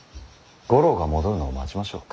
五郎が戻るのを待ちましょう。